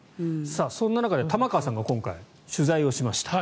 そんな中で玉川さんが今回、取材をしました。